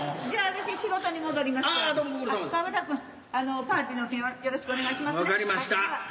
じゃあ私仕事に戻りますから。